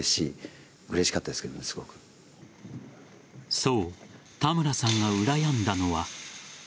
そう田村さんがうらやんだのは。